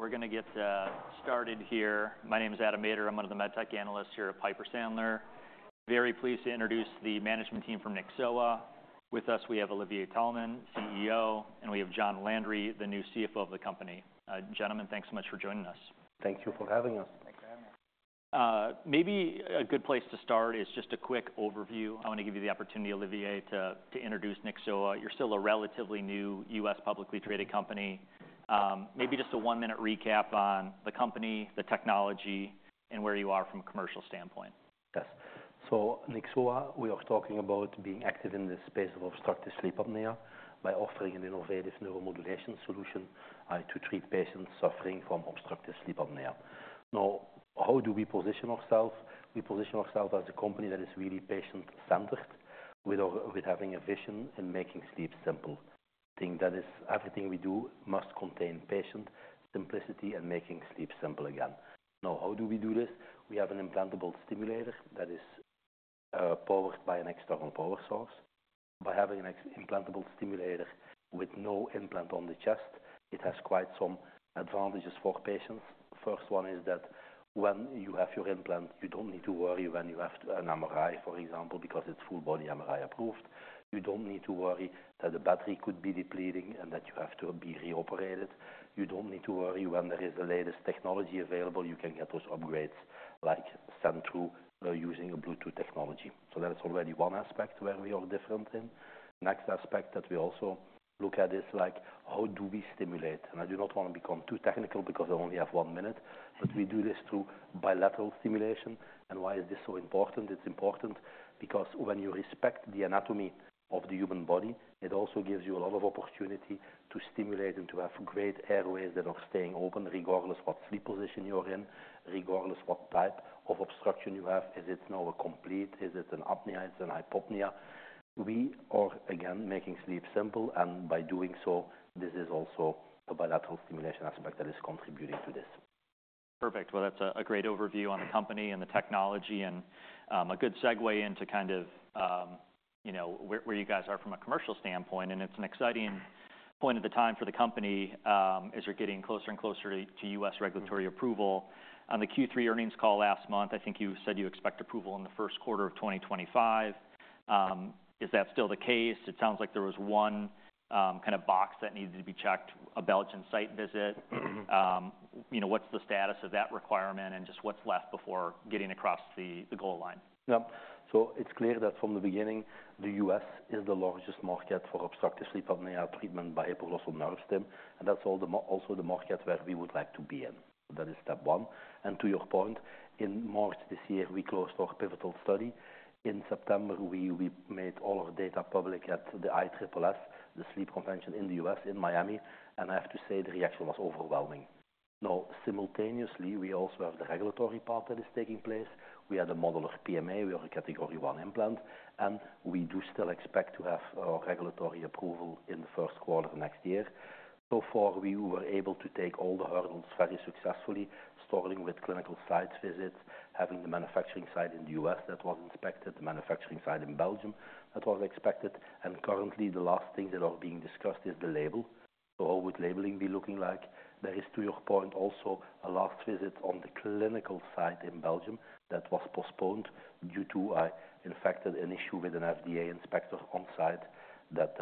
We're gonna get started here. My name is Adam Maeder. I'm one of the med tech analysts here at Piper Sandler. Very pleased to introduce the management team from Nyxoah. With us, we have Olivier Taelman, CEO, and we have John Landry, the new CFO of the company. Gentlemen, thanks so much for joining us. Thank you for having us. Thanks for having us. Maybe a good place to start is just a quick overview. I wanna give you the opportunity, Olivier, to introduce Nyxoah. You're still a relatively new U.S. publicly traded company. Maybe just a one-minute recap on the company, the technology, and where you are from a commercial standpoint. Yes. So Nyxoah, we are talking about being active in this space of obstructive sleep apnea by offering an innovative neuromodulation solution to treat patients suffering from obstructive sleep apnea. Now, how do we position ourselves? We position ourselves as a company that is really patient-centered, with having a vision in making sleep simple. I think that is everything we do must contain patient simplicity and making sleep simple again. Now, how do we do this? We have an implantable stimulator that is powered by an external power source. By having an implantable stimulator with no implant on the chest, it has quite some advantages for patients. First one is that when you have your implant, you don't need to worry when you have an MRI, for example, because it's full-body MRI approved. You don't need to worry that the battery could be depleting and that you have to be re-operated. You don't need to worry when there is the latest technology available. You can get those upgrades, like, sent through, using a Bluetooth technology. So that's already one aspect where we are different in. Next aspect that we also look at is, like, how do we stimulate? And I do not wanna become too technical because I only have one minute, but we do this through bilateral stimulation. And why is this so important? It's important because when you respect the anatomy of the human body, it also gives you a lot of opportunity to stimulate and to have great airways that are staying open regardless what sleep position you are in, regardless what type of obstruction you have. Is it now a complete? Is it an apnea? Is it a hypopnea? We are, again, making sleep simple, and by doing so, this is also the bilateral stimulation aspect that is contributing to this. Perfect. Well, that's a great overview on the company and the technology and a good segue into kind of, you know, where you guys are from a commercial standpoint. And it's an exciting point at the time for the company, as you're getting closer and closer to U.S. regulatory approval. On the Q3 earnings call last month, I think you said you expect approval in the first quarter of 2025. Is that still the case? It sounds like there was one kind of box that needed to be checked, a Belgian site visit. You know, what's the status of that requirement and just what's left before getting across the goal line? Yep. It's clear that from the beginning, the U.S. is the largest market for obstructive sleep apnea treatment by hypoglossal nerve stim, and that's also the market where we would like to be in. That is step one. To your point, in March this year, we closed our pivotal study. In September, we made all our data public at the ISSS, the sleep convention in the U.S. in Miami. And I have to say the reaction was overwhelming. Now, simultaneously, we also have the regulatory part that is taking place. We had a mock PMA. We are a category one implant, and we do still expect to have our regulatory approval in the first quarter of next year. So far, we were able to take all the hurdles very successfully, starting with clinical site visits, having the manufacturing site in the U.S. that was inspected, the manufacturing site in Belgium that was inspected. Currently, the last thing that are being discussed is the label. How would labeling be looking like? There is, to your point, also a last visit on the clinical site in Belgium that was postponed due to, in fact, an issue with an FDA inspector on site that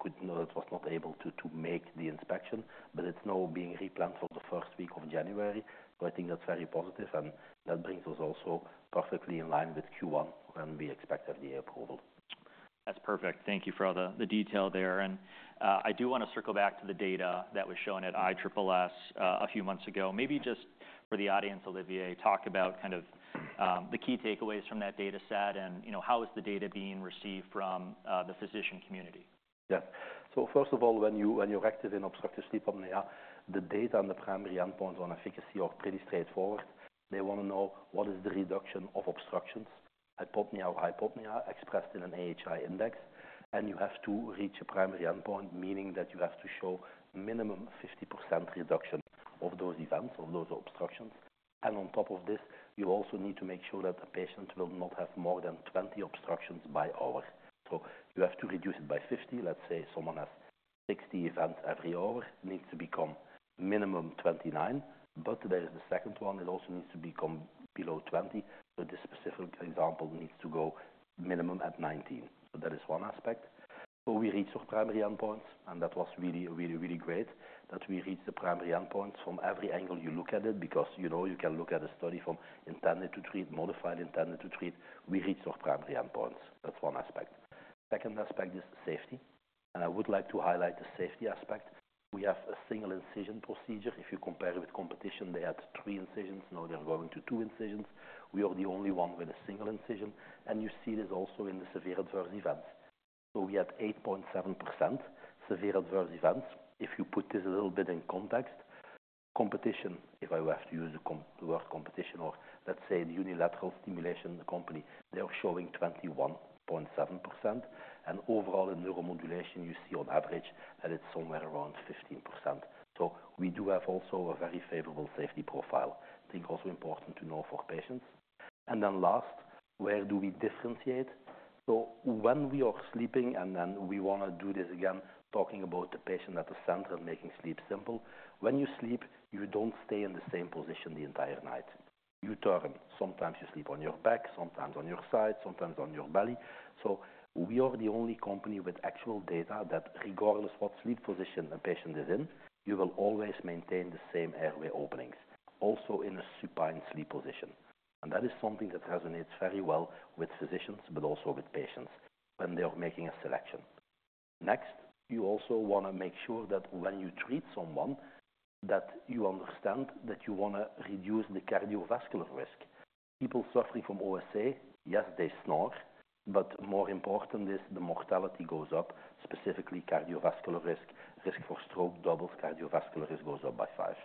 could not, it was not able to make the inspection, but it's now being replanned for the first week of January. I think that's very positive, and that brings us also perfectly in line with Q1 when we expect FDA approval. That's perfect. Thank you for all the detail there. And, I do wanna circle back to the data that was shown at ISSSS, a few months ago. Maybe just for the audience, Olivier, talk about kind of the key takeaways from that data set and, you know, how is the data being received from the physician community? Yes. So first of all, when you're active in obstructive sleep apnea, the data on the primary endpoint on efficacy are pretty straightforward. They wanna know what is the reduction of obstructions, apnea or hypopnea, expressed in an AHI index. And you have to reach a primary endpoint, meaning that you have to show minimum 50% reduction of those events, of those obstructions. And on top of this, you also need to make sure that the patient will not have more than 20 obstructions per hour. So you have to reduce it by 50. Let's say someone has 60 events every hour, needs to become minimum 29. But there is the second one. It also needs to become below 20. So this specific example needs to go minimum at 19. So that is one aspect. So we reached our primary endpoints, and that was really, really, really great that we reached the primary endpoints from every angle you look at it because, you know, you can look at a study from intended to treat, modified, intended to treat. We reached our primary endpoints. That's one aspect. Second aspect is safety. And I would like to highlight the safety aspect. We have a single incision procedure. If you compare with competition, they had three incisions. Now they're going to two incisions. We are the only one with a single incision. And you see this also in the severe adverse events. So we had 8.7% severe adverse events. If you put this a little bit in context, competition, if I have to use the comp the word competition or let's say the unilateral stimulation company, they are showing 21.7%. Overall, in neuromodulation, you see on average that it's somewhere around 15%. We do have also a very favorable safety profile. I think also important to know for patients. Then last, where do we differentiate? When we are sleeping, and then we wanna do this again, talking about the patient at the center and making sleep simple, when you sleep, you don't stay in the same position the entire night. You turn. Sometimes you sleep on your back, sometimes on your side, sometimes on your belly. We are the only company with actual data that regardless what sleep position a patient is in, you will always maintain the same airway openings, also in a supine sleep position. That is something that resonates very well with physicians but also with patients when they are making a selection. Next, you also wanna make sure that when you treat someone, that you understand that you wanna reduce the cardiovascular risk. People suffering from OSA, yes, they snore, but more important is the mortality goes up, specifically cardiovascular risk. Risk for stroke doubles, cardiovascular risk goes up by five.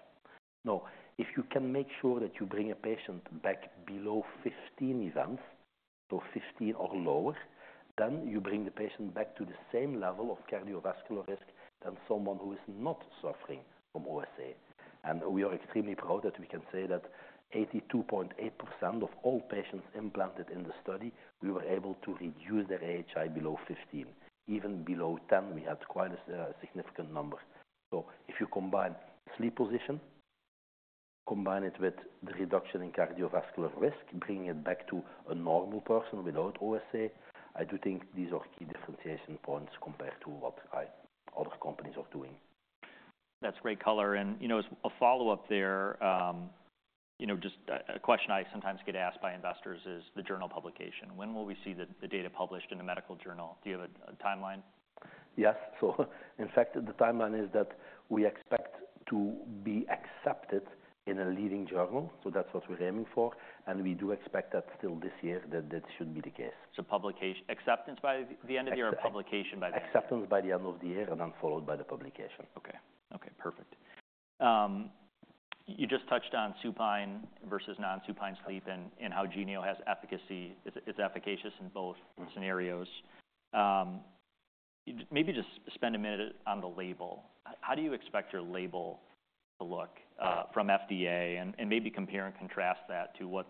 Now, if you can make sure that you bring a patient back below 15 events, so 15 or lower, then you bring the patient back to the same level of cardiovascular risk than someone who is not suffering from OSA. We are extremely proud that we can say that 82.8% of all patients implanted in the study, we were able to reduce their AHI below 15. Even below 10, we had quite a significant number. So if you combine sleep position, combine it with the reduction in cardiovascular risk, bring it back to a normal person without OSA, I do think these are key differentiation points compared to what other companies are doing. That's great color. And, you know, as a follow-up there, you know, just a question I sometimes get asked by investors is the journal publication. When will we see the data published in a medical journal? Do you have a timeline? Yes. So in fact, the timeline is that we expect to be accepted in a leading journal. So that's what we're aiming for. And we do expect that still this year that that should be the case. Publication acceptance by the end of the year or publication by the end? Acceptance by the end of the year and then followed by the publication. Okay. Okay. Perfect. You just touched on supine versus non-supine sleep and how Genio has efficacy, is efficacious in both scenarios. Maybe just spend a minute on the label. How do you expect your label to look, from FDA and maybe compare and contrast that to what's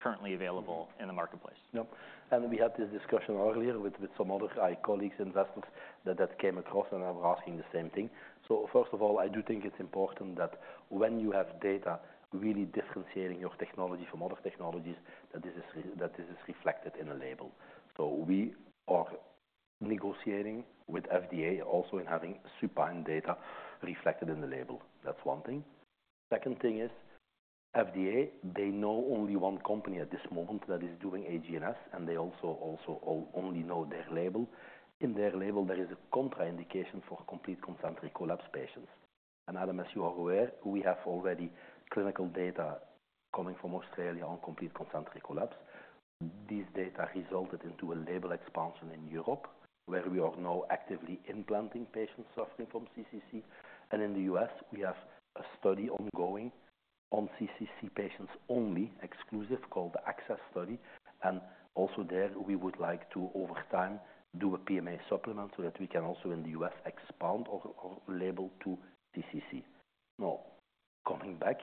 currently available in the marketplace? Yep. And we had this discussion earlier with some other colleagues and investors that came across and are asking the same thing. So first of all, I do think it's important that when you have data really differentiating your technology from other technologies, that this is reflected in a label. So we are negotiating with FDA also in having supine data reflected in the label. That's one thing. Second thing is FDA. They know only one company at this moment that is doing HGNS, and they also only know their label. In their label, there is a contraindication for complete concentric collapse patients. And Adam, as you are aware, we have already clinical data coming from Australia on complete concentric collapse. These data resulted into a label expansion in Europe where we are now actively implanting patients suffering from CCC. In the U.S., we have a study ongoing on CCC patients only, exclusive, called the ACCESS study. Also there, we would like to, over time, do a PMA supplement so that we can also in the U.S. expand our, our label to CCC. Now, coming back,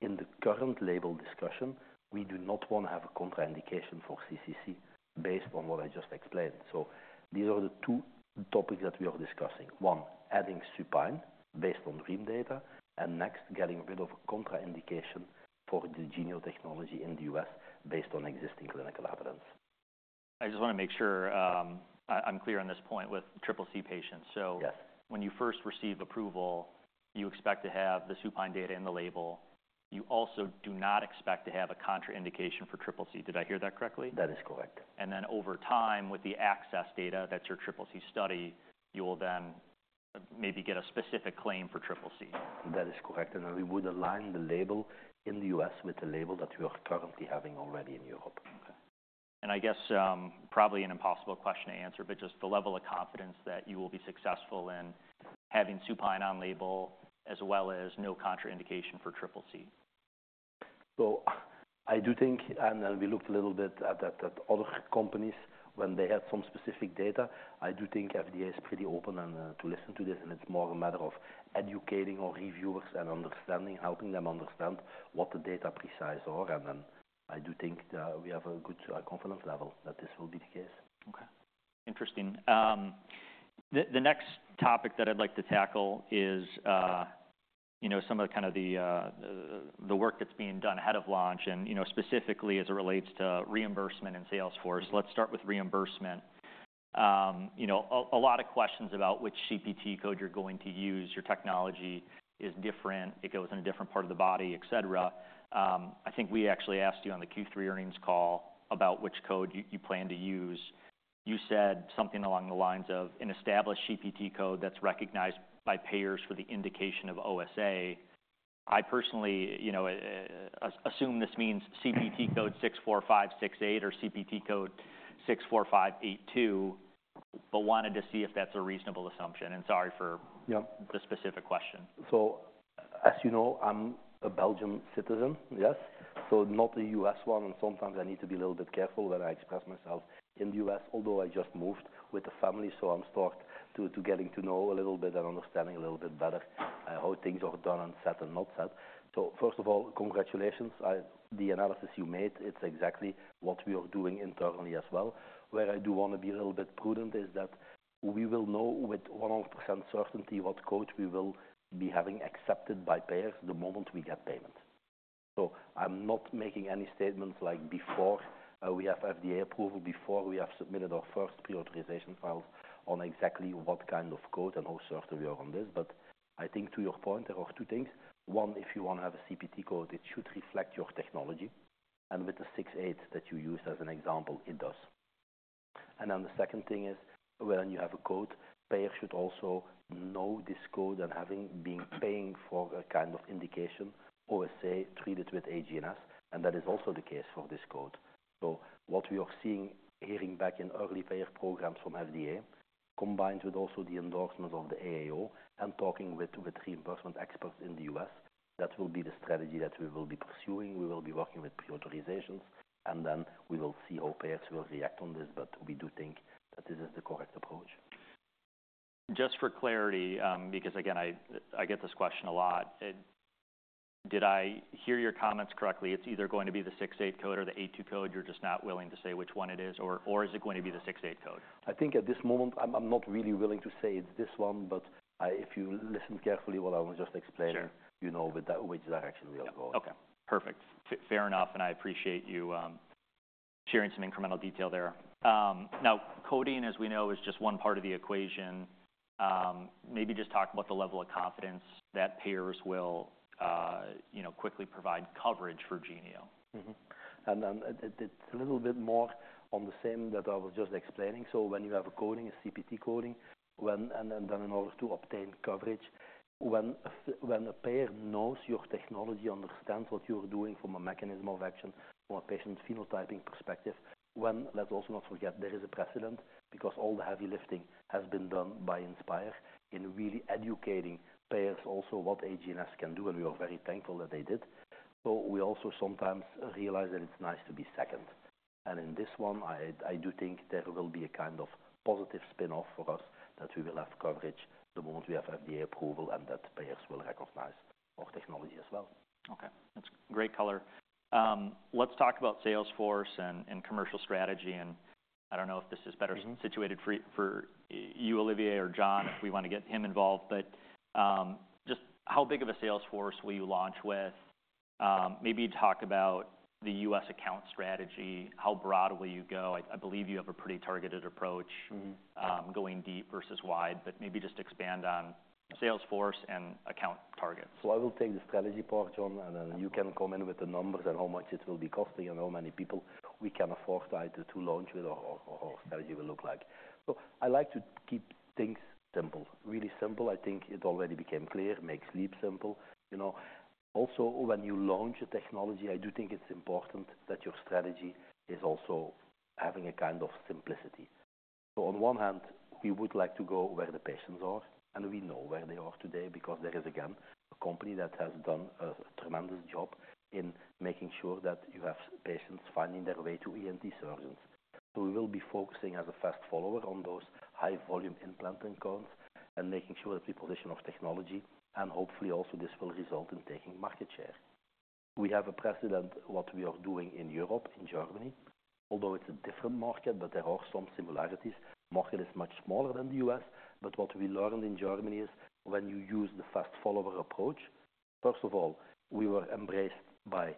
in the current label discussion, we do not wanna have a contraindication for CCC based on what I just explained. These are the two topics that we are discussing. One, adding supine based on DREAM data, and next, getting rid of contraindication for the Genio technology in the U.S. based on existing clinical evidence. I just wanna make sure, I'm clear on this point with triple C patients. So. Yes. When you first receive approval, you expect to have the supine data in the label. You also do not expect to have a contraindication for triple C. Did I hear that correctly? That is correct. And then over time, with the ACCESS data, that's your triple C study, you will then maybe get a specific claim for triple C. That is correct. And then we would align the label in the U.S. with the label that we are currently having already in Europe. Okay. And I guess, probably an impossible question to answer, but just the level of confidence that you will be successful in having supine on label as well as no contraindication for triple C? So I do think, and we looked a little bit at other companies when they had some specific data. I do think FDA is pretty open and to listen to this, and it's more a matter of educating our reviewers and understanding, helping them understand what the data precisely are. And then I do think that we have a good confidence level that this will be the case. Okay. Interesting. The next topic that I'd like to tackle is, you know, some of the kind of the work that's being done ahead of launch and, you know, specifically as it relates to reimbursement and sales force. Let's start with reimbursement. You know, a lot of questions about which CPT code you're going to use. Your technology is different. It goes in a different part of the body, etc. I think we actually asked you on the Q3 earnings call about which code you plan to use. You said something along the lines of an established CPT code that's recognized by payers for the indication of OSA. I personally, you know, assume this means CPT code 64568 or CPT code 64582, but wanted to see if that's a reasonable assumption, and sorry for. Yep. The specific question. As you know, I'm a Belgian citizen, yes, so not a U.S. one, and sometimes I need to be a little bit careful when I express myself in the U.S., although I just moved with the family. I'm starting to get to know a little bit and understanding a little bit better how things are done and set and not set. First of all, congratulations. I like the analysis you made; it's exactly what we are doing internally as well. Where I do wanna be a little bit prudent is that we will know with 100% certainty what code we will be having accepted by payers the moment we get payment. I'm not making any statements like before we have FDA approval, before we have submitted our first pre-authorization files on exactly what kind of code and how certain we are on this. But I think to your point, there are two things. One, if you wanna have a CPT code, it should reflect your technology. And with the 68 that you used as an example, it does. And then the second thing is when you have a code, payers should also know this code and having been paying for a kind of indication, OSA treated with AGNS. And that is also the case for this code. So what we are seeing, hearing back in early payer programs from FDA, combined with also the endorsement of the AAO and talking with reimbursement experts in the U.S., that will be the strategy that we will be pursuing. We will be working with pre-authorizations, and then we will see how payers will react on this. But we do think that this is the correct approach. Just for clarity, because again, I get this question a lot, did I hear your comments correctly? It's either going to be the 68 code or the 82 code. You're just not willing to say which one it is, or is it going to be the 68 code? I think at this moment, I'm not really willing to say it's this one, but if you listen carefully what I was just explaining. Sure. You know, with that, which direction we are going. Okay. Perfect. Fair enough, and I appreciate you sharing some incremental detail there. Now, coding, as we know, is just one part of the equation. Maybe just talk about the level of confidence that payers will, you know, quickly provide coverage for Genio. Mm-hmm. And then it's a little bit more on the same that I was just explaining. So when you have a coding, a CPT coding, and then in order to obtain coverage, when a payer knows your technology, understands what you are doing from a mechanism of action, from a patient phenotyping perspective, when, let's also not forget, there is a precedent because all the heavy lifting has been done by Inspire in really educating payers also what AGNS can do. And we are very thankful that they did. So we also sometimes realize that it's nice to be second. And in this one, I do think there will be a kind of positive spinoff for us that we will have coverage the moment we have FDA approval and that payers will recognize our technology as well. Okay. That's great color. Let's talk about sales force and commercial strategy, and I don't know if this is better. Mm-hmm. Question for you, Olivier, or John, if we wanna get him involved. Just how big of a sales force will you launch with? Maybe talk about the U.S. account strategy. How broad will you go? I believe you have a pretty targeted approach. Mm-hmm. going deep versus wide, but maybe just expand on Salesforce and account targets. I will take the strategy part, John, and then you can come in with the numbers and how much it will be costing and how many people we can afford to add to launch with our strategy will look like. I like to keep things simple, really simple. I think it already became clear. Make sleep simple. You know, also when you launch a technology, I do think it's important that your strategy is also having a kind of simplicity. On one hand, we would like to go where the patients are, and we know where they are today because there is, again, a company that has done a tremendous job in making sure that you have patients finding their way to ENT surgeons. So we will be focusing as a fast follower on those high-volume implanting counts and making sure that we position our technology. And hopefully also this will result in taking market share. We have a precedent what we are doing in Europe, in Germany, although it's a different market, but there are some similarities. The market is much smaller than the U.S. But what we learned in Germany is when you use the fast follower approach, first of all, we were embraced by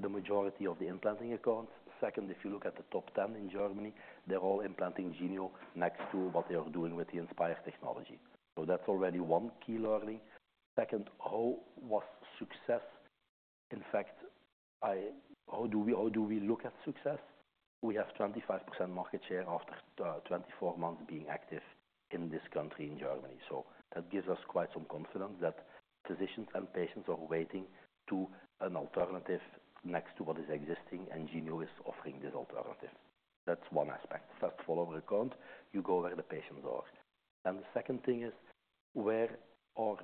the majority of the implanting accounts. Second, if you look at the top 10 in Germany, they're all implanting Genio next to what they are doing with the Inspire technology. So that's already one key learning. Second, how was success? In fact, how do we look at success? We have 25% market share after 24 months being active in this country in Germany. That gives us quite some confidence that physicians and patients are waiting for an alternative next to what is existing, and Genio is offering this alternative. That's one aspect. Fast follower account, you go where the patients are. The second thing is where are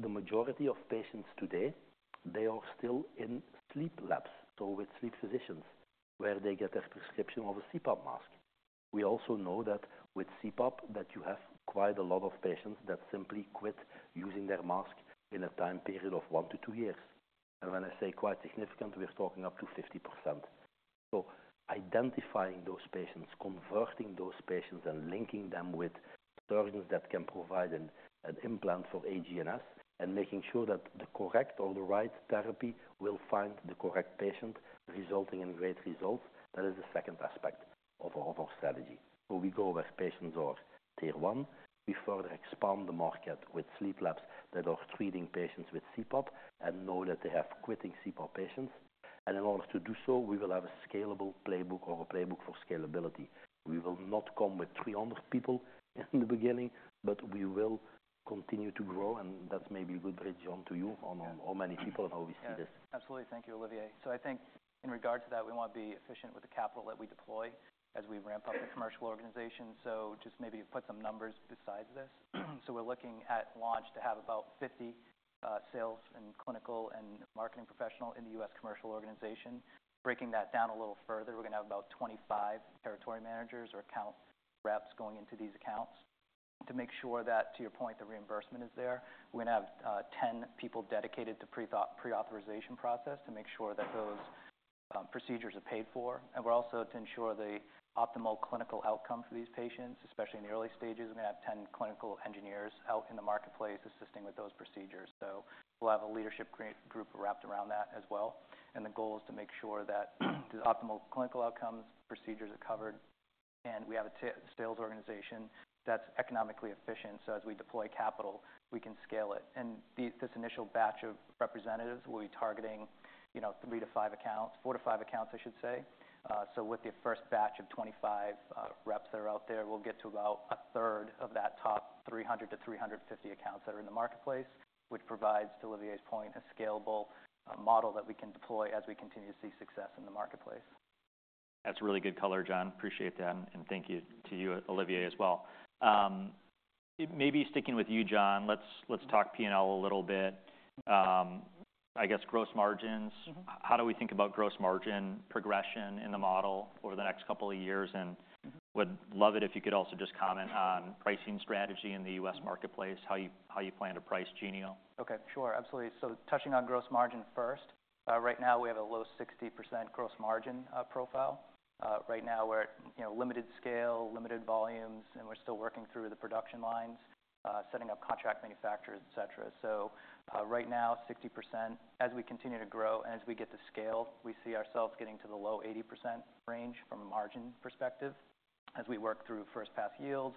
the majority of patients today? They are still in sleep labs, so with sleep physicians where they get their prescription for a CPAP mask. We also know that with CPAP, that you have quite a lot of patients that simply quit using their mask in a time period of one to two years. When I say quite significant, we're talking up to 50%. Identifying those patients, converting those patients, and linking them with surgeons that can provide an implant for AGNS and making sure that the correct or the right therapy will find the correct patient, resulting in great results, that is the second aspect of our strategy. We go where patients are, tier one. We further expand the market with sleep labs that are treating patients with CPAP and know that they have quitting CPAP patients. In order to do so, we will have a scalable playbook or a playbook for scalability. We will not come with 300 people in the beginning, but we will continue to grow. That's maybe a good bridge, John, to you on how many people and how we see this. Absolutely. Thank you, Olivier. So I think in regards to that, we wanna be efficient with the capital that we deploy as we ramp up the commercial organization. So just maybe put some numbers beside this. So we're looking at launch to have about 50 sales and clinical and marketing professionals in the U.S. commercial organization. Breaking that down a little further, we're gonna have about 25 territory managers or account reps going into these accounts to make sure that, to your point, the reimbursement is there. We're gonna have 10 people dedicated to prior authorization process to make sure that those procedures are paid for. And we're also to ensure the optimal clinical outcome for these patients, especially in the early stages. We're gonna have 10 clinical engineers out in the marketplace assisting with those procedures. So we'll have a leadership group wrapped around that as well. The goal is to make sure that the optimal clinical outcomes, procedures are covered. We have a target sales organization that's economically efficient. As we deploy capital, we can scale it. This initial batch of representatives will be targeting, you know, three to five accounts, four to five accounts, I should say. With the first batch of 25 reps that are out there, we'll get to about a third of that top 300 to 350 accounts that are in the marketplace, which provides, to Olivier's point, a scalable model that we can deploy as we continue to see success in the marketplace. That's really good color, John. Appreciate that. And thank you to you, Olivier, as well. Maybe sticking with you, John, let's talk P&L a little bit. I guess gross margins. Mm-hmm. How do we think about gross margin progression in the model over the next couple of years? And. Mm-hmm. Would love it if you could also just comment on pricing strategy in the U.S. marketplace, how you plan to price Genio. Okay. Sure. Absolutely, so touching on gross margin first, right now we have a low 60% gross margin profile right now. We're at, you know, limited scale, limited volumes, and we're still working through the production lines, setting up contract manufacturers, etc. So, right now 60%. As we continue to grow and as we get to scale, we see ourselves getting to the low 80% range from a margin perspective as we work through first pass yields,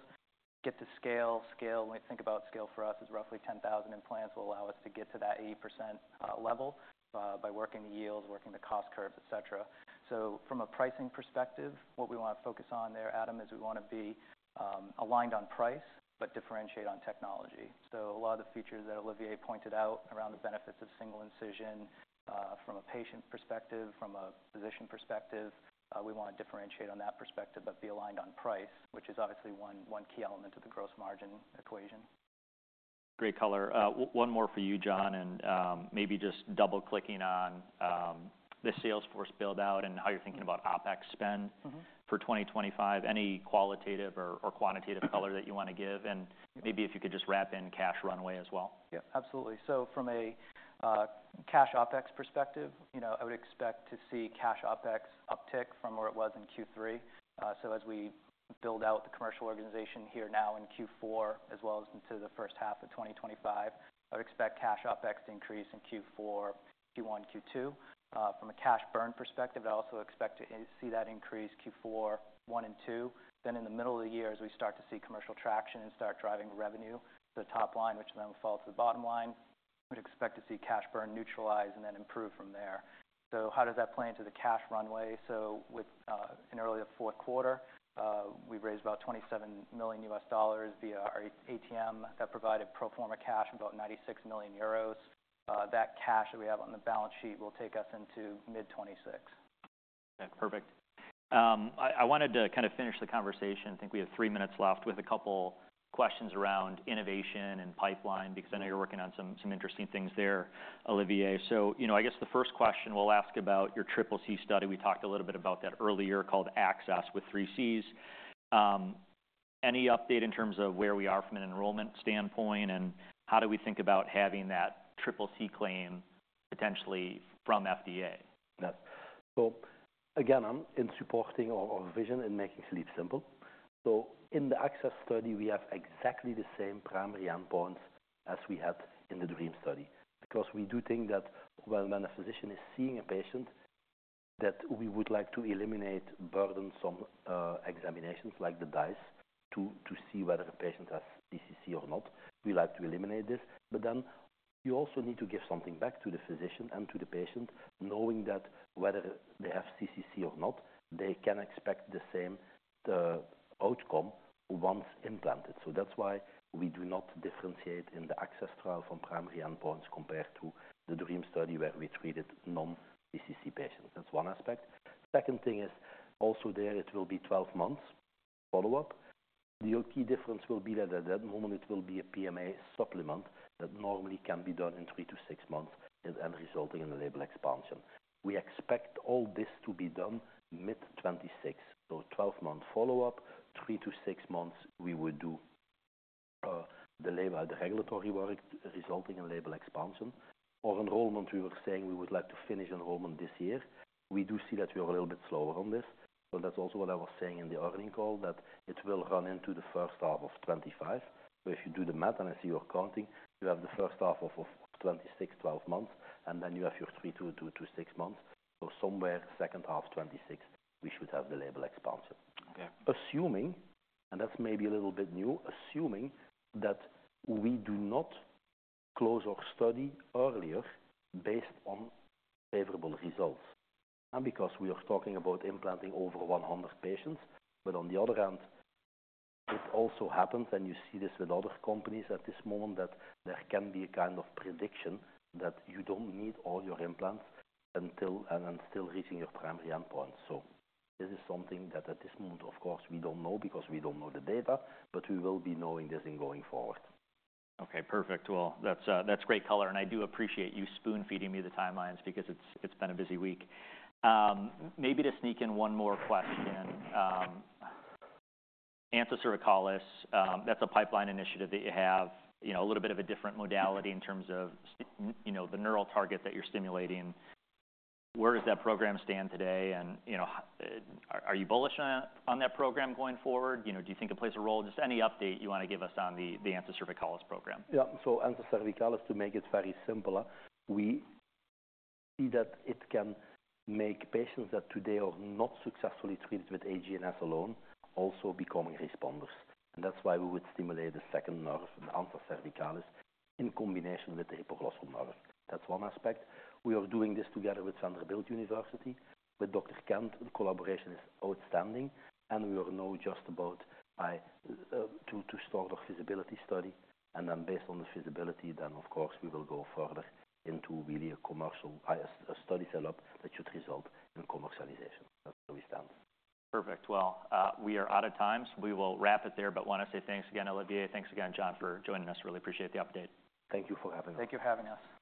get to scale. Scale, when we think about scale for us, is roughly 10,000 implants will allow us to get to that 80% level, by working the yields, working the cost curves, etc. So from a pricing perspective, what we wanna focus on there, Adam, is we wanna be aligned on price but differentiate on technology. A lot of the features that Olivier pointed out around the benefits of single incision, from a patient perspective, from a physician perspective, we wanna differentiate on that perspective but be aligned on price, which is obviously one key element of the gross margin equation. Great color. One more for you, John, and maybe just double-clicking on the sales force build-out and how you're thinking about OpEx spend. Mm-hmm. For 2025, any qualitative or quantitative color that you wanna give? And maybe if you could just wrap in cash runway as well. Yeah. Absolutely. So from a cash OpEx perspective, you know, I would expect to see cash OpEx uptick from where it was in Q3. So as we build out the commercial organization here now in Q4 as well as into the first half of 2025, I would expect cash OpEx to increase in Q4, Q1, Q2. From a cash burn perspective, I also expect to see that increase Q4, Q1, and Q2. Then in the middle of the year, as we start to see commercial traction and start driving revenue to the top line, which then will fall to the bottom line, we'd expect to see cash burn neutralize and then improve from there. So how does that play into the cash runway? So with in the early fourth quarter, we raised about $27 million via our ATM that provided pro forma cash of about 96 million euros. That cash that we have on the balance sheet will take us into mid-2026. Okay. Perfect. I wanted to kinda finish the conversation. I think we have three minutes left with a couple questions around innovation and pipeline because I know you're working on some interesting things there, Olivier. So, you know, I guess the first question we'll ask about your triple C study. We talked a little bit about that earlier called Access with three Cs. Any update in terms of where we are from an enrollment standpoint, and how do we think about having that triple C claim potentially from FDA? Yes. So again, I'm in supporting our vision and making sleep simple. So in the ACCESS study, we have exactly the same primary endpoints as we had in the DREAM study because we do think that when a physician is seeing a patient, that we would like to eliminate burdensome examinations like the DICE to see whether a patient has CCC or not. We like to eliminate this. But then you also need to give something back to the physician and to the patient, knowing that whether they have CCC or not, they can expect the same outcome once implanted. So that's why we do not differentiate in the ACCESS trial from primary endpoints compared to the DREAM study where we treated non-CCC patients. That's one aspect. Second thing is also there it will be 12 months follow-up. The key difference will be that at that moment it will be a PMA supplement that normally can be done in three to six months and resulting in a label expansion. We expect all this to be done mid-2026. So 12-month follow-up, three to six months we would do, the label regulatory work resulting in label expansion. On enrollment, we were saying we would like to finish enrollment this year. We do see that we are a little bit slower on this. So that's also what I was saying in the earnings call, that it will run into the first half of 2025. So if you do the math and I see your accounting, you have the first half of 2026, 12 months, and then you have your three to six months. So somewhere second half 2026, we should have the label expansion. Okay. Assuming, and that's maybe a little bit new, assuming that we do not close our study earlier based on favorable results, and because we are talking about implanting over 100 patients, but on the other hand, it also happens, and you see this with other companies at this moment, that there can be a kind of prediction that you don't need all your implants until, and still reaching your primary endpoint, so this is something that at this moment, of course, we don't know because we don't know the data, but we will be knowing this in going forward. Okay. Perfect. Well, that's, that's great color. And I do appreciate you spoon-feeding me the timelines because it's, it's been a busy week. Maybe to sneak in one more question, Ansa cervicalis, that's a pipeline initiative that you have, you know, a little bit of a different modality in terms of stim, you know, the neural target that you're stimulating. Where does that program stand today? And, you know, are you bullish on, on that program going forward? You know, do you think it plays a role? Just any update you wanna give us on the, the Ansa cervicalis program. Yeah. So Ansa cervicalis, to make it very simple, we see that it can make patients that today are not successfully treated with AGNS alone also becoming responders. And that's why we would stimulate the second nerve, the Ansa cervicalis, in combination with the hypoglossal nerve. That's one aspect. We are doing this together with Vanderbilt University, with Dr. Kent. The collaboration is outstanding. And we are now just about to start our feasibility study. And then based on the feasibility, then of course we will go further into really a commercial study setup that should result in commercialization. That's where we stand. Perfect. Well, we are out of time. So we will wrap it there, but wanna say thanks again, Olivier. Thanks again, John, for joining us. Really appreciate the update. Thank you for having us. Thank you for having us.